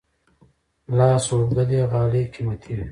لاس اوبدلي غالۍ قیمتي وي.